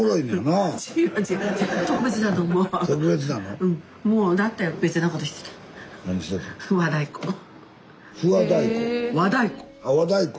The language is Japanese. あ和太鼓！